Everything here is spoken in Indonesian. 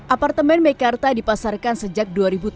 apartemen mekarta dipasarkan sejak dua ribu tujuh belas